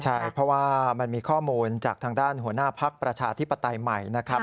ใช่เพราะว่ามันมีข้อมูลจากทางด้านหัวหน้าภักดิ์ประชาธิปไตยใหม่นะครับ